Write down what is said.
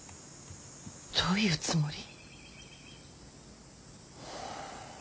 どういうつもり。